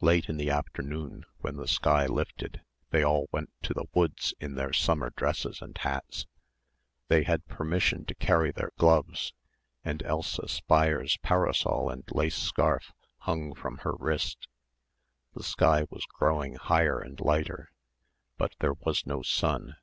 Late in the afternoon when the sky lifted they all went to the woods in their summer dresses and hats. They had permission to carry their gloves and Elsa Speier's parasol and lace scarf hung from her wrist. The sky was growing higher and lighter, but there was no sun.